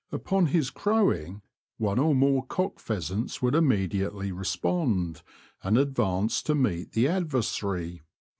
Upon his crowing, one or more cock pheasants would immediately respond, and advance to meet the adversary.